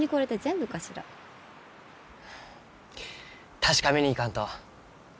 確かめに行かんと。